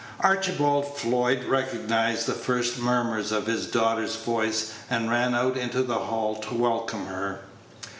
Archibald Floyd recognized the first murmur of his daughter's voice, and ran out into the hall to welcome her.